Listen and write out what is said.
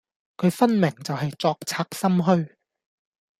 佢分明就係作賊心虛